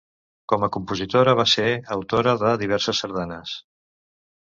Com a compositora va ser autora de diverses sardanes.